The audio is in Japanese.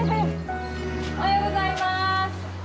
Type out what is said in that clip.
おはようございます！